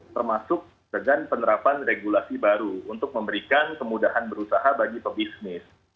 termasuk dengan penerapan regulasi baru untuk memberikan kemudahan berusaha bagi pebisnis